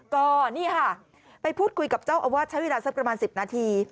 ก็นี่ค่ะไปพูดคุยกับเจ้าอาวาสใช้เวลาสักประมาณ๑๐นาที